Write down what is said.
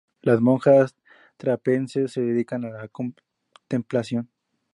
Las monjas trapenses se dedican a la contemplación.